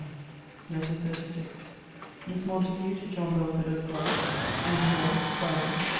] LETTER XXXVI MISS MONTAGUE, TO JOHN BELFORD, ESQ. M. HALL, FRIDAY, SEPT.